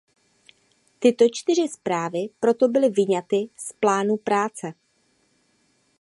Tyto čtyři zprávy proto byly vyňaty z plánu práce.